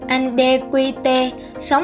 anh d q t sống